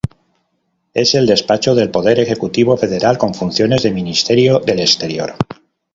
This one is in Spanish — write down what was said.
Es el despacho del poder ejecutivo federal con funciones de Ministerio del Exterior.